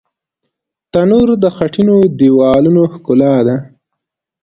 تنور د خټینو دیوالونو ښکلا ده